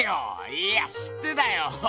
いや知ってたよ